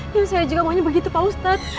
ya saya juga mau begitu pak ustadz